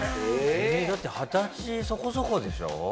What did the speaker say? ええっ？だって二十歳そこそこでしょ？